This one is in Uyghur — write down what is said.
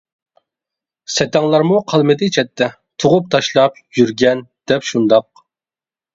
سەتەڭلەرمۇ قالمىدى چەتتە، تۇغۇپ تاشلاپ يۈرگەن دەپ شۇنداق.